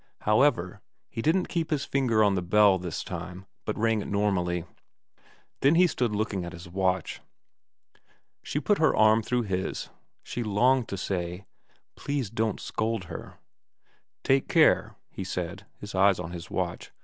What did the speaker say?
However, he didn't keep his finger on the bell this time, but rang it normally. Then he stood looking at his watch. She put her arm through his. She longed to say, ' Please don't scold her.' ' Take care,' he said, his eyes on his watch.